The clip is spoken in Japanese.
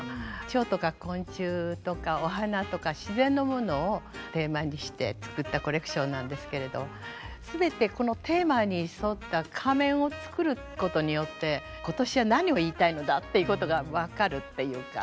蝶とか昆虫とかお花とか自然のものをテーマにして作ったコレクションなんですけれど全てこのテーマに沿った仮面を作ることによって今年は何を言いたいのだっていうことが分かるっていうか。